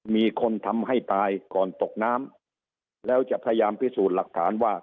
มีคนทำให้ตายก่อนตกน้ำแล้วจะพยายามพิสูจน์หลักฐานว่า